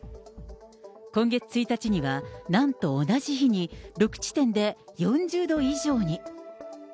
今月１日には、なんと同じ日に６地点で４０度以上に。